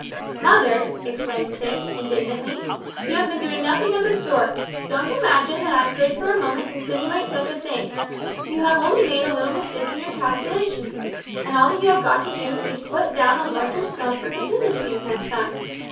"Mother," exclaimed Tipps, indignantly, "you have been doing nothing of the sort. Don't imagine that I could for a moment insinuate such a thing. You have only made a little mistake in your calculations, and all that you have got to do is to put down a larger sum for contingencies next time.